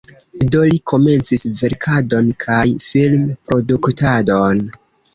Do li komencis verkadon kaj film-produktadon.